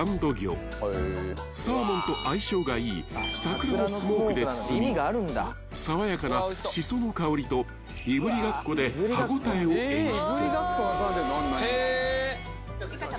［サーモンと相性がいい桜のスモークで包み爽やかなシソの香りといぶりがっこで歯応えを演出］